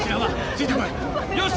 ついてこいよし！